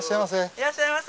いらっしゃいませ。